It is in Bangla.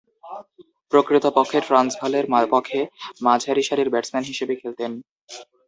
প্রকৃতপক্ষে ট্রান্সভালের পক্ষে মাঝারিসারির ব্যাটসম্যান হিসেবে খেলতেন।